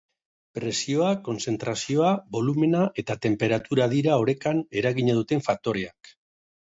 Presioa, kontzentrazioa, bolumena eta tenperatura dira orekan eragina duten faktoreak.